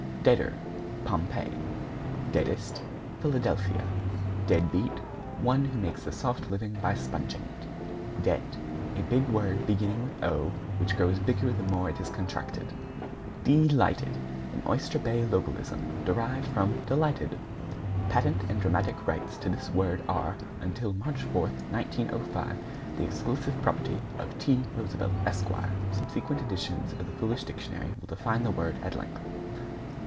=DEADER= Pompeii. =DEADEST= Philadelphia. =DEADBEAT= One who makes a soft living by sponging it. =DEBT= A big word beginning with Owe, which grows bigger the more it is contracted. =DEE LIGHTED= An Oyster Bay localism, derived from delighted. (Patent and Dramatic rights to this word are, until March 4, 1905, the exclusive property of T. Roosevelt, Esq., Subsequent editions of The Foolish Dictionary will define the word at length).